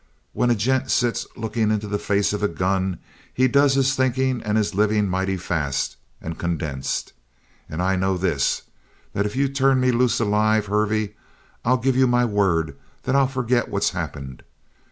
When a gent sits looking into the face of a gun he does his thinking and his living mighty fast and condensed. And I know this, that if you turn me loose alive, Hervey, I'll give you my word that I'll forget what's happened.